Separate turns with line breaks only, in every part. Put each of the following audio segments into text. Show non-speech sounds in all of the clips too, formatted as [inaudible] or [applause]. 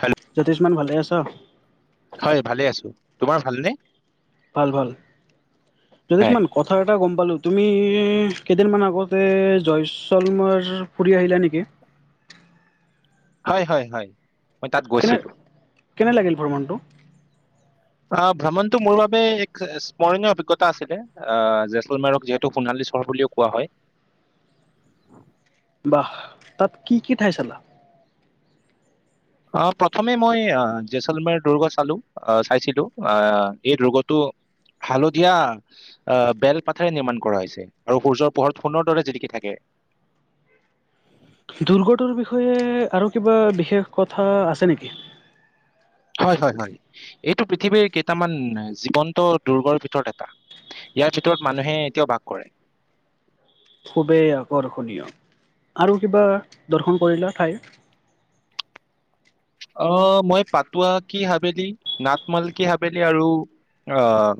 Hello
Jyotishman ভালে আছ?
হয় ভালে আছো, তোমাৰ ভালনে?
ভাল, ভাল,
হয়
য্যোতিষ্মান। কথা এটা গম পালোঁ, তুমি কেইদিনমান আগতে জয়ছলমাৰ ফুৰি আহিলা নেকি?
হয়, হয়, হয়, মই তাত
কেনে
গৈছিলো।
কেনে লাগিল ভ্ৰমণটো?
অ, ভ্ৰমণটো মোৰ বাবে এক স্মৰণীয় অভিজ্ঞতা আছিলে, আহ, জেচলমাৰক যিহেতু টো, সোণালী চৰ বুলিও কোৱা হয়।
বাহ, তাত কি কি ঠাই চালা?
আহ, প্ৰথমে মই জেচলমাৰ দুৰ্গ চালো, আহ, চাইছিলো আহ এই দুৰ্গটো হালধীয়া। আহ, বেল পাতেৰে নিৰ্মাণ কৰা হৈছে আৰু সূৰ্যৰ পোহৰত সোণৰ দৰে জিলিকি থাকে।
দুৰ্গটোৰ বিষয়ে আৰু কিবা বিশেষ কথা আছে নেকি?
হয়, হয়, হয়, এইটো পৃথিৱীৰ কেইটামান জীৱন্ত দুৰ্গৰ ভিতৰত এটা। ইয়াৰ ভিতৰত, মানুহে এতিয়াও বাস কৰে।
খুবেই আকৰ্ষণীয় আৰু কিবা দৰ্শন কৰিলা ঠাই?
অ, মই পাতোৱা কি হাবেল, নাট মাল কি হাবেল, আৰু আহ,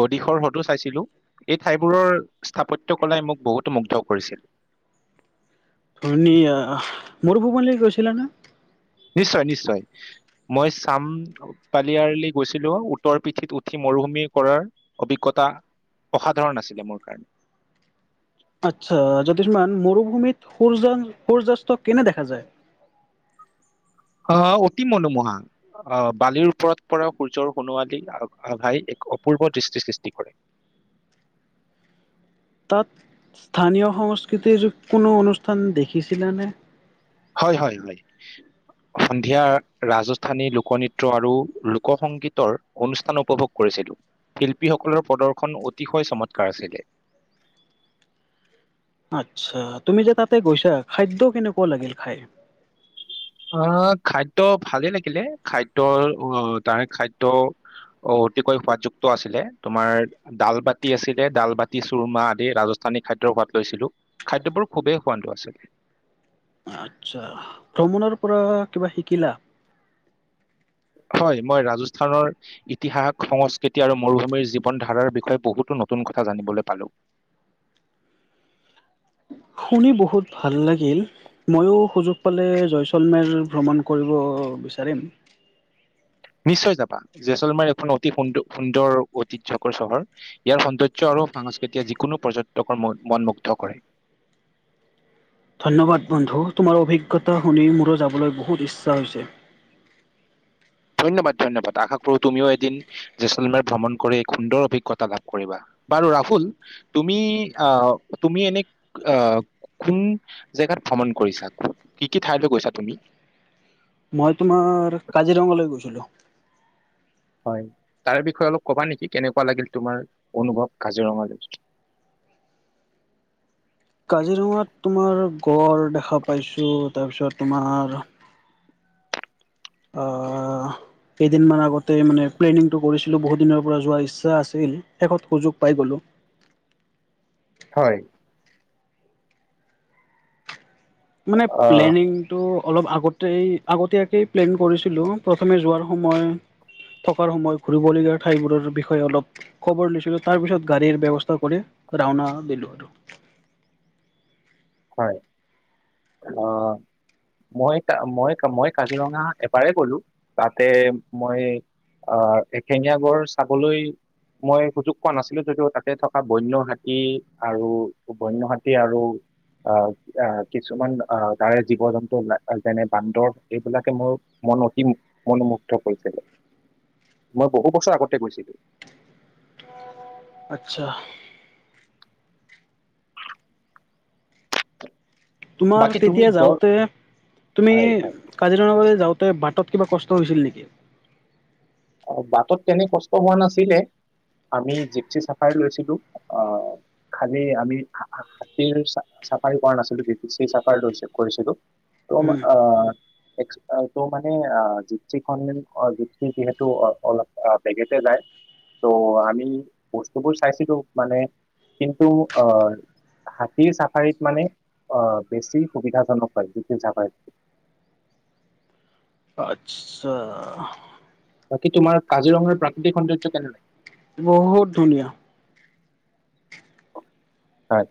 গদিশৰ সটো চাইছিলো। এই ঠাইবোৰৰ স্থাপত্য কলাই, মোক বহুতো মুগ্ধ কৰিছিল।
ধুনীয়া মোৰ ভূৱনলৈ গৈছিলা নে?
নিশ্চয়, নিশ্চয়, মই চাম। পালিয়ৰলি গৈছিলো, উটৰ পিঠিত উঠি মৰুভূমি কৰাৰ, অভিজ্ঞতা। অসাধাৰণ আছিলে মোৰ কাৰণে।
আচ্ছা, জোতিশমান মৰুভূমিত সূৰ্য-সূৰ্যাস্ত কেনে দেখা যায়?
অ, অতি মনোমোহা। আহ, বালিৰ ওপৰত পৰা সূৰ্যৰ সোণোৱালী, ভাই এক অপূৰ্ব দৃষ্টি, সৃষ্টি কৰে।
তাত, স্থানীয় সংস্কৃতিৰ কোনো, অনুষ্ঠান দেখিছিলানে?
হয়, হয়, হয়। সন্ধিয়া, ৰাজস্থানী লোকনৃত্য আৰু লোকসংগীতৰ অনুষ্ঠান উপভোগ কৰিছিলোঁ। শিল্পীসকলৰ প্ৰদৰ্শন অতিশয়, চমৎকাৰ আছিলে।
আচ্ছা তুমি যে তাতে গৈছা, খাদ্য কেনেকুৱা লাগিল খাই?
অ, খাদ্য ভালে লাগিলে, খাদ্যৰ অ, তাৰে খাদ্য অ, অতিকৈ সোৱাদযুক্ত আছিলে, তোমাৰ ডালবাতি আছিলে, ডাল বাতি চুৰমা আদি ৰাজস্থানী খাদ্যৰ সোৱাদ লৈছিলো। খাদ্যবোৰ খুবেই সোৱাদো আছিলে।
আচ্ছা, ভ্ৰমণৰ পৰা কিবা শিকিলা?
হয়, মই ৰাজস্থানৰ ইতিহাস, সংস্কৃতি আৰু মৰুভূমিৰ জীৱন ধাৰণৰ বিষয়ে বহুতো নতুন কথা জানিবলৈ পালোঁ।
শুনি বহুত ভাল লাগিল। মইও সুযোগ পালে জয়ছলমেৰ ভ্ৰমণ কৰিব বিচাৰিম।
নিশ্চয় যাবা, জেচলমেৰ এখন অতি সুন্দ-সুন্দৰ ঐতিহ্যকৰ চহৰ। ইয়াৰ সৌন্দৰ্য আৰু সংস্কৃতিয়ে যিকোনো পৰ্যটকৰ মন-মন মুগ্ধ কৰে।
ধন্যবাদ বন্ধু, তোমাৰ অভিজ্ঞতা শুনি মোৰো যাবলৈ বহুত ইচ্ছা হৈছে।
ধন্যবাদ ধন্যবাদ, আশা কৰোঁ তুমিও এদিন জেচলমেৰ ভ্ৰমণ কৰি এক সুন্দৰ অভিজ্ঞতা লাভ কৰিবা, বাৰু ৰাহুল তুমি অ' তুমি এনেই আ' কোন জেগাত ভ্ৰমণ কৰিছা, কি কি ঠাইলৈ গৈছা তুমি?
মই তোমাৰ কাজিৰঙালৈ গৈছিলোঁ।
হয়, তাৰ বিষয়ে অলপ ক'বা নেকি কেনেকুৱা লাগিল তোমাৰ অনুভৱ কাজিৰঙালৈ?
কাজিৰঙাত তোমাৰ গড় দেখা পাইছোঁ, তাৰপিছত তোমাৰ
অ
অ' কেইদিনমান আগতে মানে প্লেনিংটো কৰিছিলোঁ, বহুতদিনৰ পৰা যোৱাৰ ইচ্ছা আছিল, শেষত সুযোগ পাই গ'লোঁ।
হয়।
মানে
আহ
প্লেনিং তো অলপ আগতেই-আগতীয়াকেই প্লেন কৰিছিলোঁ, প্ৰথমে যোৱাৰ সময় থকাৰ সময়, ঘুৰিবলগীয়া ঠাইবোৰৰ বিষয়ে অলপ খবৰ লৈছিলোঁ, তাৰ পিছত গাড়ীৰ ব্যৱস্থা কৰি ৰাওনা দিলোঁ আৰু।
হয়। অ' মই কা-মই-মই কাজিৰঙা এবাৰে গ'লো, তাতে মই অ', এশিঙীয়া গঁড় চাবলৈ মই সুযোগ পোৱা নাছিলোঁ যদিও তাতে থকা বন্য হাতী আৰু বন্য হাতী আৰু অ' অ' কিছুমান আ-তাৰে জীৱ জন্তু, যেনে বান্দৰ, এইবিলাকে মোৰ মন অতি মনোমুগ্ধ কৰিছিলে, মই বহু বছৰ আগতে গৈছিলোঁ।
আচ্ছা। তোমাৰ
বাকী তুমি
তেতিয়া
গড়
যাওঁতে, তুমি
হয় হয়
কাজিৰঙা ফালে যাওঁতে বাটত কিবা কষ্ট হৈছিল নেকি?
অ', বাটত তেনে কষ্ট হোৱা নাছিলে, আমি জিপচী চাফাৰী লৈছিলোঁ, অ'। খালি আমি হাতীৰ চা-চাফাৰী কৰা নাছিলোঁ, জিপছি চাফাৰীটো কৰিছিলোঁ। তোমাৰ
উম
মানে আ, এক্স-তোমাৰ মানে জিপচি খন মানে অ' জিপচি যিহেতু অ'-অলপ অ' বেগেতে যায় ত' আমি বস্তুবোৰ চাইছিলোঁ, মানে, কিন্তু আ হাতীৰ চাফাৰীত মানে অ' বেছি সুবিধাজনক হয় জিপচি চাফাৰীতকৈ।
আচ্ছা।
বাকী তোমাৰ কাজিৰঙাৰ প্ৰাকৃতিক সৌন্দৰ্য কেনে লাগিল?
বহুত ধুনীয়া।
হয়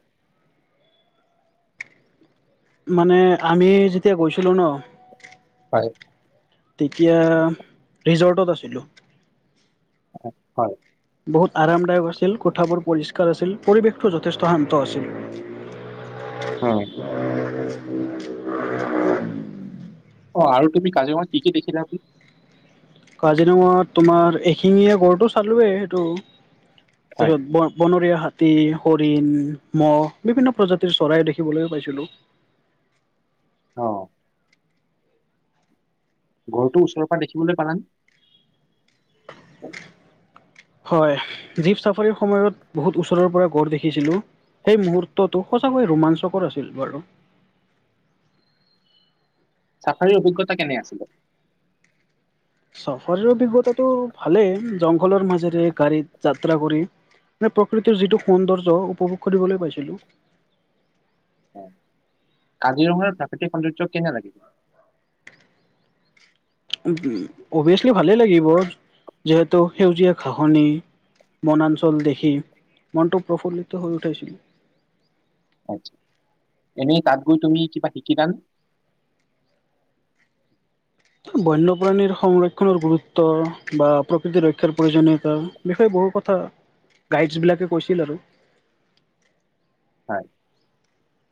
মানে আমি যেতিয়া গৈছিলো ন
হয়।
তেতিয়া ৰিজৰ্টত আছিলোঁ।
হয়।
বহুত আৰামদায়ক আছিল, কোঠাবোৰ পৰিষ্কাৰ আছিল, পৰিৱেশটো যথেষ্ট শান্ত আছিল।
হয়। অ' আৰু তুমি কাজিৰঙাত কি কি দেখিলা আজি?
কাজিৰঙাত তোমাৰ এশিঙীয়া গড়টো চালোৱেই, সেইটো।
হয়।
তাৰপিছত ব ব বনৰীয়া হাত হাতী, হৰিণ, মহ বিভিন্ন প্ৰজাতিৰ চৰাই দেখিবলৈ পাইছিলো।
অ' অ '। গঁড়টো ওচৰৰ পৰা দেখিবলৈ পালানে?
হয়' জীপ চাফাৰীৰ সময়ত বহুত ওচৰৰ পৰা গড় দেখিছিলো। সেই মূহুৰ্তটো সচাকৈ ৰোমাঞ্চকৰ আছিল বাৰু।
চাফাৰী অভিজ্ঞতা কেনে আছিলে?
চাফাৰী অভিজ্ঞতাটো ভালে, জংঘলৰ মাজেৰে গাড়ীত যাত্ৰা কৰি। মানে প্ৰকৃতিৰ যিটো সৌন্দৰ্য উপভোগ কৰিবলৈ পাইছিলো।
কাজিৰঙাৰ প্ৰাকৃতিক সৌন্দৰ্য কেনে লাগে?
উম' উম ' অভিয়াচলি ভালেই লাগিব, যিহেতু সেউজীয়া ঘাঁহনি। বনাঞ্চল দেখি, মনটো প্ৰফুল্লিত হৈ উঠিছিল।
এনে তাত গৈ তুমি কিবা শিকিলা নে?
বন্যপ্ৰাণীৰ সংৰক্ষণৰ গুৰুত্ব বা প্ৰকৃতি ৰক্ষাৰ প্ৰয়োজনীয়তা। বিষয়ে বহু কথা গাইডছবিলাকে কৈছিল আৰু।
হয়'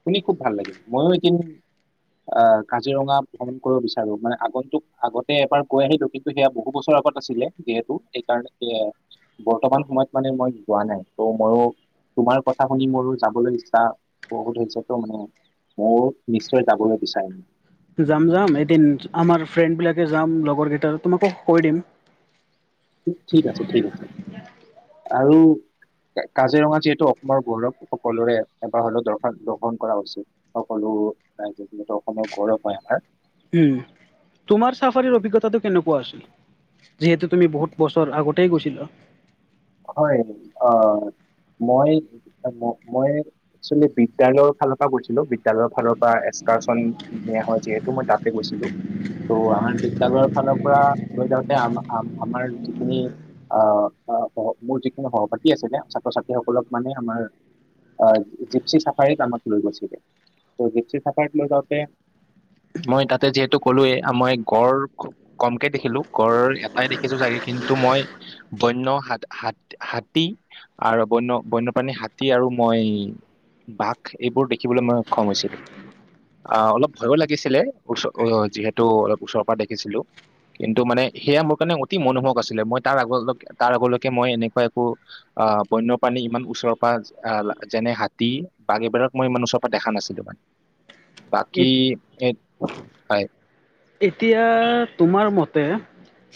শুনি খুব ভাল লাগিল, মইয়ো এদিন আ কাজিৰঙা ভ্ৰমণ কৰিব বিচাৰো, মানে আগন্তুক আগতে এবাৰ গৈ আহিলো কিন্তু সেয়া বহু বছৰ আগত আছিলে, যিহেতু সেইকাৰণে এ বৰ্তমান সময়ত মানে মই যোৱা নাই। ত'মইও তোমাৰ কথা শুনি মোৰো যাবলৈ ইচ্ছা বহুত হৈছে ত, মানে মইও নিশ্চয় যাবলৈ বিচাৰিম।
যাম, যাম এদিন আমাৰ ফ্ৰেণ্ড বিলাকে যাম। লগৰ কেইটা তোমাকো কৈ দিম।
ঠিক আছে, ঠিক আছে আৰু কাজিৰঙা যিহেতু অসমৰ গৌৰৱ, সকলোৰে এবাৰ হলেও দৰ্শন দৰ্শন কৰা উচিত। সকলো ৰাইজৰ যিহেতু অসমীয়া গৌৰৱ হয় আমাৰ।
উম' তোমাৰ চাফাৰিৰ অভিজ্ঞতাটো কেনেকুৱা আছিল? যিহেতু তুমি বহুত বছৰ আগতেই গৈছিলা।
হয়' আ মই, মই এক্সচোৱেলী বিদ্যয়ালয়ৰ ফালৰ পৰা গৈছিলো। বিদ্যালয়ৰ ফালৰ পৰা এক্সকাৰ্চন নিয়া হয়। যিহেতু মই তাত গৈছিলো। ত' আমাৰ বিদ্যালয়ৰ ফালৰ পৰা লৈ যাওঁতে, আ আ আমাৰ যিখিনি আ মোৰ যিখিনি সহপাতি আছিলে ছাত্ৰ ছাত্ৰীসকলক মানে আমাৰ জিপচি চাফাৰীত আমাক লৈ গৈছিলে, ত জিপচি চাফাৰীত লৈ যাওঁতে মই তাতে যিহেতু ক'লোৱেই, মই গড় কমকে দেখিলো গঁড় এটাই দেখিছো চাগে, কিন্তু মই বন্য হাতী হাত, হাতী আৰু বন্য বন্যপ্ৰাণী হাতী আৰু মই। বাঘ এইবোৰ দেখিবলৈ মই সক্ষম হৈছিলো। আ অলপ ভয়ো লাগিছিলে আ যিহেতু অলপ ওচৰৰ পৰা দেখিছিলো। কিন্তু মানে সেয়া মোৰ কাৰণে অতি মনোহক আছিলে, মই তাৰ আগ, তাৰ আগলৈকে মই এনেকুৱা একো আ, বন্য প্ৰাণী ইমান ওচৰৰ পৰা আ, যেনে হাতী, বাঘ এইবিলাক মই ইমান ওচৰৰ পৰা দেখা নাছিলো। বাকি হয়।
এতিয়া তোমাৰ মতে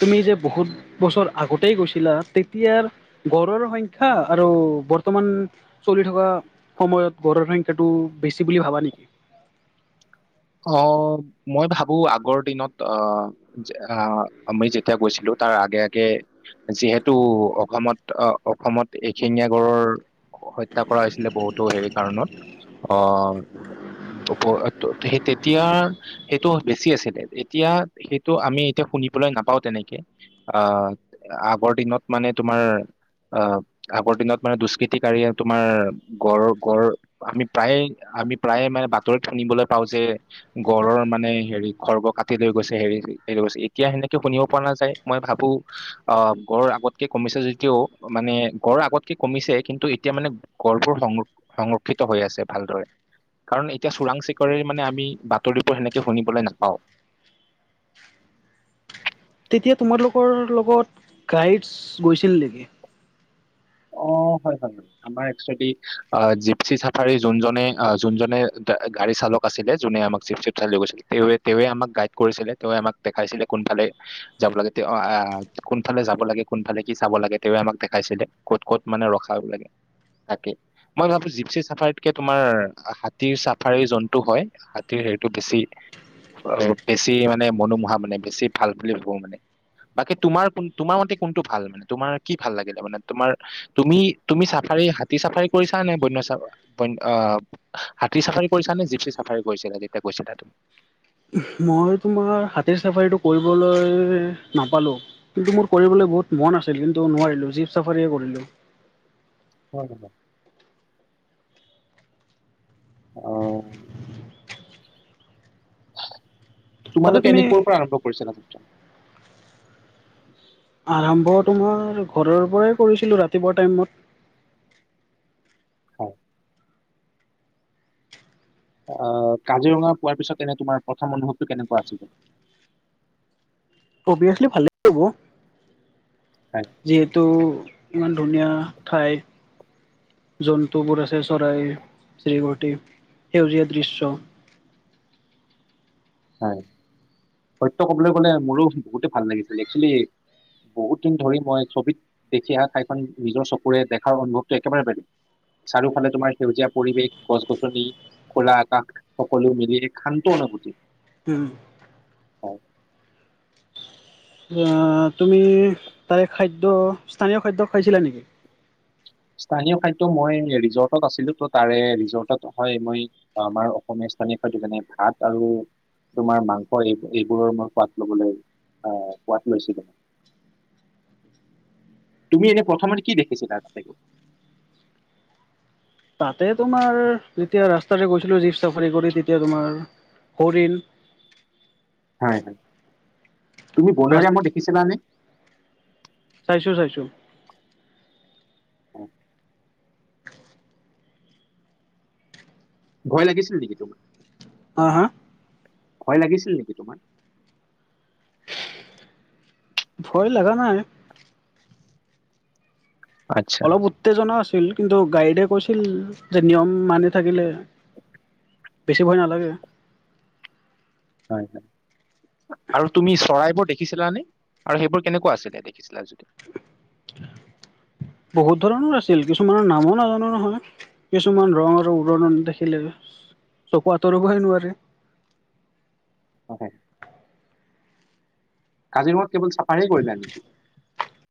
তুমি যে বহুত বছৰ আগতেই গৈছিলা? তেতিয়াৰ গঁড়ৰ সংখ্যা আৰু বৰ্তমান চলি থকা সময়ত গঁড়ৰ সংখ্যাটো বেছি বুলি ভাবা নেকি?
অ', মই ভাবো আগৰ দিনত অ আ, আমি যেতিয়া গৈছিলো তাৰ আগে আগে যিহেতু অসমত আ, অসমত এশিঙীয়া গঁড়ৰ হত্যা কৰা হৈছিলে বহুতো হেৰি কাৰণত অ' সেই তেতিয়া সেইটো বেছি আছিলে এতিয়া সেইটো আমি এতিয়া শুনিবলৈ নাপাওঁ তেনেকে। আ, আগৰ দিনত মানে তোমাৰ আ আগৰ দিনত মানে দুষ্কৃতিকাৰীয়ে তোমাৰ গঁড়ৰ গঁড় আমি প্ৰায়ে, আমি প্ৰায়ে মানে বাতৰিত শুনিবলৈ পাওঁযে গঁড়ৰ মানে হেৰি খৰ্গ কাটি লৈ গৈছে হেৰি [unintelligible] গৈছে, এতিয়া সেনেকে শুনিব পোৱা নাযায় মই ভাবো অ', গঁড় আগতকে কমিছে যদিও মানে গঁড় আগতকে কমিছে কিন্তু এতিয়া মানে গঁড়বোৰ সংৰ সংৰক্ষিত হৈ আছে ভালদৰে, কাৰণ এতিয়া চোৰাং চিকাৰিৰ মানে আমি বাতৰিবোৰ সেনেকে শুনিবলৈ নাপাওঁ।
তেতিয়া তোমালোকৰ লগত গাইডছ গৈছিল নিকি?
অ', হয়, হয়, হয়। আমাৰ একচুৱেলি আ, জিপছি ছাফাৰী যোনজনে আ, যোনজনে গাড়ী চালক আছিলে যোনে আমাক জিপছিত উঠাই লৈ গৈছিলে। তেওঁৱে - তেওঁৱে আমাক গাইড কৰিছিলে তেওঁৱেই আমাক দেখাইছিলে কোনফালে যাব লাগে তে আ, আ, আ, কোনফালে যাব লাগে, কোনফালে কি চাব লাগে তেওঁৱে আমাক দেখাইছিলে। ক'ত ক'ত মানে ৰখাব লাগে তাকে মই ভাবো জিপছি ছাফাৰীতকে তোমাৰ হাতীৰ ছাফাৰী জন্তু হয়। হাতীৰ হেৰিটো বেছি বেছি মানে মনোমোহা মানে বেছি ভাল বুলি ভাবো মানে। বাকী তোমাৰ কোন তোমাৰ মতে কোনটো ভাল মানে তোমাৰ কি ভাল লাগিলে মানে? তোমাৰ তুমি তুমি চাফাৰী হাতী চাফাৰী কৰিছা নে? বন্য চাফ বন্য আ হাতীৰ ছাফাৰী কৰিছা নে জিপছি ছাফাৰী কৰিছিলা যেতিয়া গৈছিলা তুমি?
মই তোমাৰ হাতীৰ ছাফাৰীটো কৰিবলৈ নাপালোঁ। কিন্তু মোৰ কৰিবলৈ বহুত মন আছিল কিন্তু নোৱাৰিলো জীপ ছাফাৰীয়ে কৰিলো।
[inaudible] অ',
তাতে
তোমালোকে
তুমি
এনে কৰ পৰা আৰম্ভ কৰিছিলা যাত্ৰা?
আৰম্ভ তোমাৰ ঘৰৰ পৰাই কৰিছিলোঁ ৰাতিপুৱা টাইমত।
হয়। অ', কাজিৰঙা পোৱাৰ পিছত এনে তোমাৰ প্ৰথম অনুভৱটো কেনেকুৱা আছিলে?
অভিয়াচলি ভালেই হব
হয়
যিহেতু ইমান ধুনীয়া ঠাই। জন্তুবোৰ আছে চৰাই [unintelligible] সেউজীয়া দৃশ্য।
হয়, সত্য কবলৈ গলে মোৰো বহুতে ভাল লাগিছিল একচুৱেলি বহুত দিন ধৰি মই ছবিত দেখি আহা ঠাইখন নিজৰ চকুৰে দেখাৰ অনুভৱটো একেবাৰে বেলেগ। চাৰিওফালে তোমাৰ সেউজীয়া পৰিৱেশ গছ গছনি খোলা আকাশ সকলো মিলি এক শান্ত অনুভূতি।
উম।
[inaudible]
অঁ, তুমি তাৰে খাদ্য স্থানীয় খাদ্য খাইছিলা নেকি?
স্থানীয় খাদ্য মই ৰিজৰ্টত আছিলো, ত তাৰে ৰিজৰ্টত হয় মই আমাৰ অসমীয়া স্থানীয় হয়তো যোনে ভাত আৰু তোমাৰ মাংস এইব এইবোৰৰ মই সোৱাদ লবলৈ আঁহ সোৱাদ লৈছিলো। তুমি এনেই প্ৰথমতে কি দেখিছিলা তাতে গৈ?
তাতে তোমাৰ যেতিয়া ৰাস্তাৰে গৈছিলোঁ জীপ চাফাৰী কৰি, তেতিয়া তোমাৰ হৰিণ
হয় হয়, তুমি
ৰা
বনৰীয়া মহ দেখিছিলানে?
চাইিছো চাইছো।
অঁ ভয় লাগিছিল নেকি তোমাৰ?
অঁ হা।
ভয় লাগিছিল নেকি তোমাৰ
ভয় লগা নাই।
আচ্ছা
অলপ উত্তেজনা আছিল, কিন্তু গাইডে কৈছিল যে নিয়ম মানি থাকিলে বেছি ভয় নালাগে।
হয় হয়। আৰু তুমি চৰাইবোৰ দেখিছিলাানে আৰু সেইবোৰ কেনেকুৱা আছিলে দেখিছিলা যদি? [inaudible]
বহুত ধৰণৰ আছিল, কিছুমানৰ নামো নাজানো নহয়। কিছুমান ৰং আৰু উৰণ দেখিলে চকু আঁতৰিবহে নোৱাৰে।
হয়। কাজিৰঙাত কেৱল চাফাৰীয়ে কৰিলে নেকি?